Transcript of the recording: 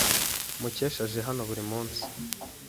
Mukesha aje hano buri munsi.